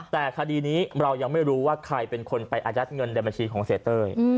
แต่คดีนี้เรายังไม่รู้ว่าใครเป็นคนไปอายัดเงินในบัญชีของเสียเต้ย